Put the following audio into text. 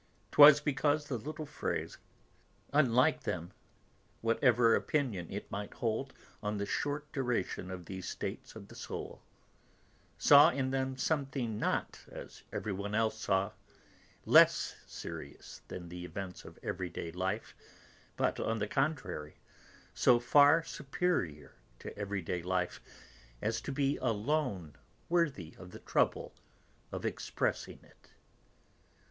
'Twas because the little phrase, unlike them, whatever opinion it might hold on the short duration of these states of the soul, saw in them something not, as everyone else saw, less serious than the events of everyday life, but, on the contrary, so far superior to everyday life as to be alone worthy of the trouble of expressing it.